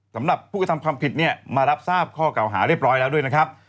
สำหรับผู้ทำความผิดมารับทราบข้อเก่าหาเรียบร้อยนะครับ